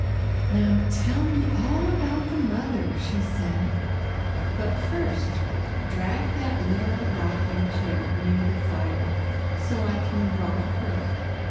"Now, tell me all about the mother," she said, "but first drag that little rocking chair near the fire, so I can rock her."